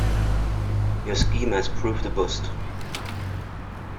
Your scheme has proved a bust.